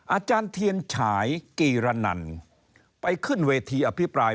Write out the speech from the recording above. อาจารย์เทียนฉายกีรนันไปขึ้นเวทีอภิปราย